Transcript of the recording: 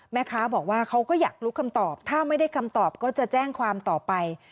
แม่ค้าบอกว่าเขาก็อยากรู้คำตอบถ้าไม่ได้คำตอบก็จะแจ้งความต่อไป